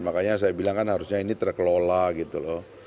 makanya saya bilang kan harusnya ini terkelola gitu loh